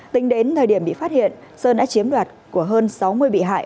tính đến thời điểm bị phát hiện sơn đã chiếm đoạt của hơn sáu mươi bị hại